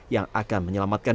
yang akan menyelamatkan